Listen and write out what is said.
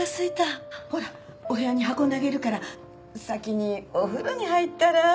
ほらお部屋に運んであげるから先にお風呂に入ったら？